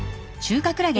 中華クラゲ。